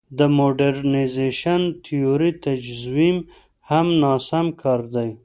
د موډرنیزېشن تیورۍ تجویز هم ناسم کار دی.